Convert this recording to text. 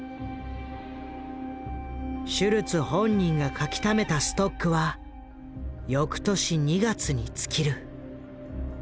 シュルツ本人が描きためたストックは翌年２月に尽きる。